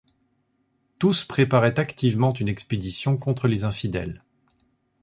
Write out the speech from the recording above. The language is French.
Tous préparaient activement une expédition contre les infidèles.